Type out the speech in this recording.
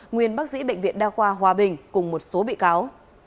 nguyên bác sĩ bệnh viện đa khoa hòa bình cùng một số bị cáo